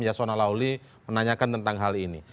yasona lauli menanyakan tentang hal ini